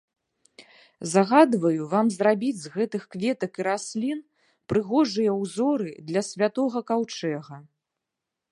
Загадваю вам зрабіць з гэтых кветак і раслін прыгожыя ўзоры для святога каўчэга.